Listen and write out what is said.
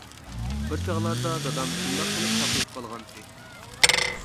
بىر چاغلاردا دادام شۇنداق قىلىپ ساقىيىپ قالغانتى.